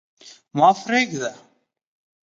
ما پرېږده.